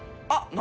何？